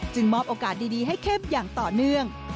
มอบโอกาสดีให้เข้มอย่างต่อเนื่อง